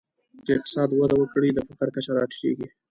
که اقتصاد وده وکړي، د فقر کچه راټیټېږي.